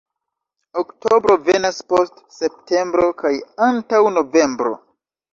Oktobro venas post septembro kaj antaŭ novembro.